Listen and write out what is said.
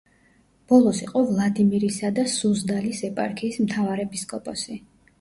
ბოლოს იყო ვლადიმირისა და სუზდალის ეპარქიის მთავარეპისკოპოსი.